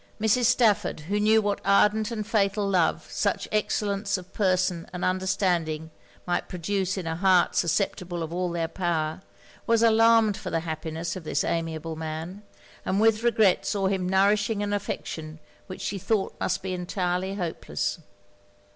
Mrs. Stafford, who knew what ardent and fatal love, such excellence of person and understanding might produce in a heart susceptible of all their power, was alarmed for the happiness of this amiable man; and with regret saw him nourishing an affection which she thought must be entirely hopeless.